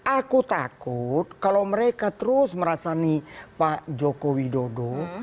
aku takut kalau mereka terus merasani pak jokowi dodo